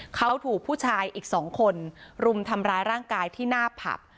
เขาถูกผู้ชายอีก๒คนรุมทำร้ายร่างกายที่หน้าผับ